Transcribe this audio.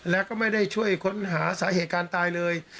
แล้วก็ไม่ได้ช่วยค้นหาสาเหตุการตายเลย